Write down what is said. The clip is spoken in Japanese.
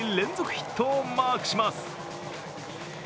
ヒットをマークします。